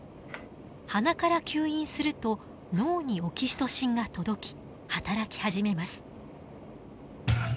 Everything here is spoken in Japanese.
鼻から吸引すると脳にオキシトシンが届き働き始めます。